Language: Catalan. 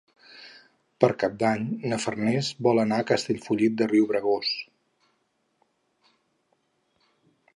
Per Cap d'Any na Farners vol anar a Castellfollit de Riubregós.